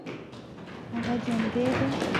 هغه جوندى دى.